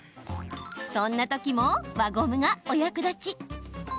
そんなときも輪ゴムがお役立ち！